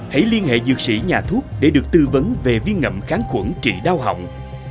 hãy liên hệ dược sĩ nhà thuốc để được tư vấn về viên ngẩm kháng khuẩn trị đau hỏng